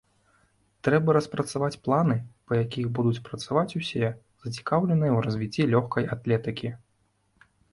Трэба распрацаваць планы, па якіх будуць працаваць усе, зацікаўленыя ў развіцці лёгкай атлетыкі.